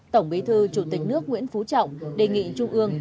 tổng bí thư chủ tịch nước nguyễn phú trọng đề nghị trung ương